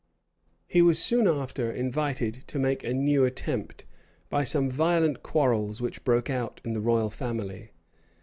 [*] {1417.} He was soon after invited to make a new attempt, by some violent quarrels which broke out in the royal family.